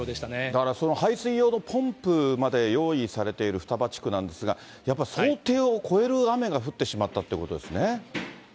だから排水用のポンプまで用意されている双葉地区なんですが、想定を超える雨が降ってしまったということですね。